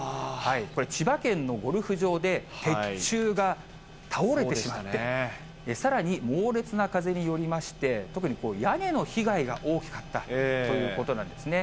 これ、千葉県のゴルフ場で、鉄柱が倒れてしまって、さらに猛烈な風によりまして、特に屋根の被害が大きかったということなんですね。